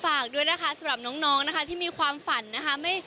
ฝากด้วยนะคะสำหรับน้องนะคะที่มีความฝันนะคะ